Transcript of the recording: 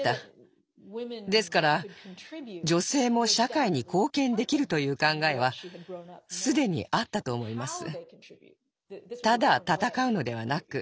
ですから女性も社会に貢献できるという考えは既にあったと思います。